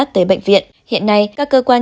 tới bệnh viện hiện nay các cơ quan